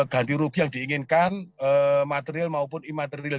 ganti rugi yang diinginkan material maupun imaterial